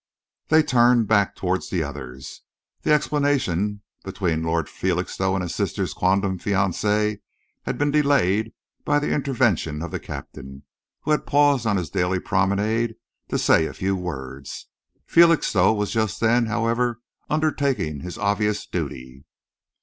They turned back towards the others. The explanation between Lord Felixstowe and his sister's quondam fiancé had been delayed by the intervention of the Captain, who had paused on his daily promenade to say a few words. Felixstowe was just then, however, undertaking his obvious duty.